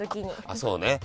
あそうね。